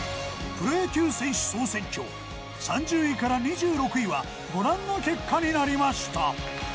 プロ野球選手総選挙３０位から２６位はご覧の結果になりました。